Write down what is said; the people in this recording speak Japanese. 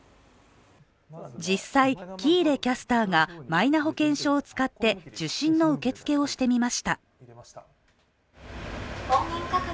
実際、喜入キャスターがマイナ保険証を使って受診の受付をしてみました。